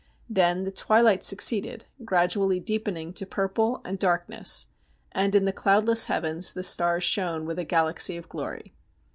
Then the twilight succeeded, gradually deepening to purple and darkness, and in the cloudless heavens the stars shone with a galaxy of glory.